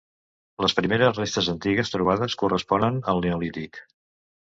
Les primeres restes antigues trobades corresponen al Neolític.